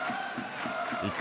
１回。